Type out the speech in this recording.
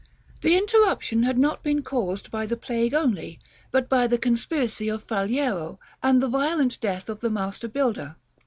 The interruption had not been caused by the plague only, but by the conspiracy of Faliero, and the violent death of the master builder.